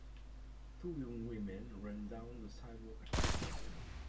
Two young women run down the sidewalk at night.